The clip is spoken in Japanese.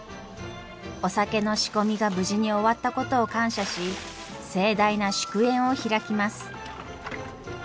お酒の仕込みが無事に終わったことを感謝し盛大な祝宴を開きます。